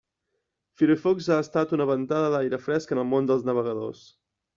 Firefox ha estat una ventada d'aire fresc en el món dels navegadors.